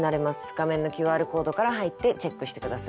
画面のＱＲコードから入ってチェックして下さい。